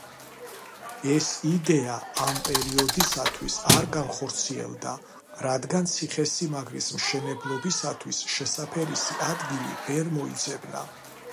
ეს იდეა ამ პერიოდისათვის არ განხორციელდა, რადგან ციხესიმაგრის მშენებლობისათვის შესაფერისი ადგილი ვერ მოიძებნა.